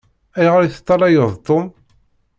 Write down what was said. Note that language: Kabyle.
Ayɣeṛ i teṭṭalayeḍ Tom?